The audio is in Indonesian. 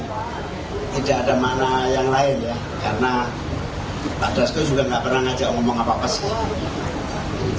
tidak ada makna yang lain ya karena pak dasko juga nggak pernah ngajak ngomong apa apa sih